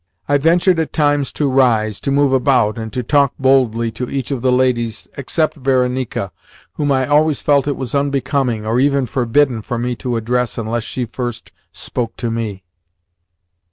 I ventured at times to rise, to move about, and to talk boldly to each of the ladies except Varenika (whom I always felt it was unbecoming, or even forbidden, for me to address unless she first spoke to me).